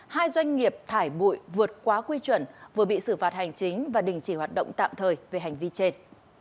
hai doanh nghiệp thải bụi vượt quá quy chuẩn vừa bị xử phạt hành chính và đình chỉ hoạt động tạm thời về hành vi trên